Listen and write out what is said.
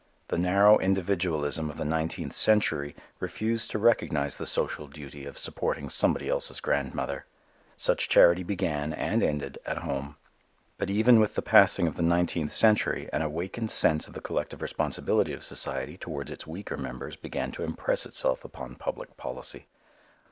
The narrow individualism of the nineteenth century refused to recognize the social duty of supporting somebody else's grandmother. Such charity began, and ended, at home. But even with the passing of the nineteenth century an awakened sense of the collective responsibility of society towards its weaker members began to impress itself upon public policy.